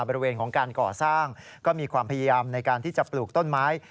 บริเวณของการก่อสร้างก็มีความพยายามในการที่จะปลูกต้นไม้